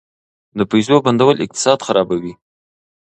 د پیسو بندول اقتصاد خرابوي.